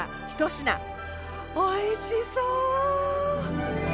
おいしそう！